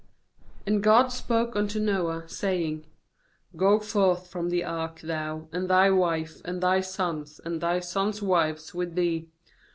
15And God spoke unto Noah, saying: 16f Go forth from the ark, thou, and thy wife, and thy sons, and thy sons' wives with thee.